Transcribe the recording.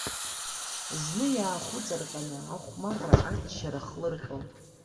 Зны иаахәыҵырҟьаны ахәмарра-аччара хлырҟьон.